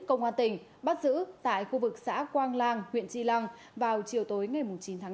công an tỉnh bắt giữ tại khu vực xã quang lang huyện tri lăng vào chiều tối ngày chín tháng bốn